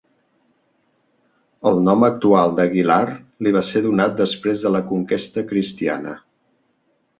El nom actual d'Aguilar li va ser donat després de la conquesta cristiana.